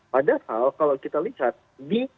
padahal kalau kita lihat di